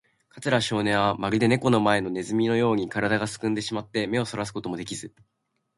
桂少年は、まるでネコの前のネズミのように、からだがすくんでしまって、目をそらすこともできず、